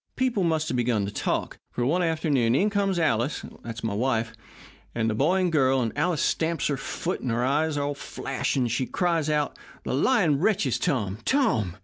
People must have begun to talk, for one afternoon in comes Alice that's my wife and the boy and girl, and Alice stamps her foot, and her eyes flash, and she cries out, 'The lying wretches Tom, Tom!'